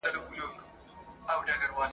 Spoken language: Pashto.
وراوي به راسي د توتکیو !.